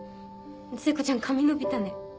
聖子ちゃん髪伸びたね。